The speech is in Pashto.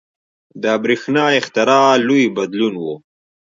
• د برېښنا اختراع لوی بدلون و.